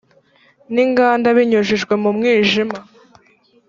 n inganda ibinyujije mu mwijima